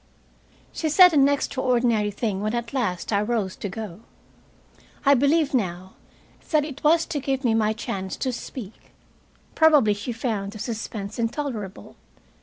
She said an extraordinary thing, when at last I rose to go. I believe now that it was to give me my chance to speak. Probably she found the suspense intolerable.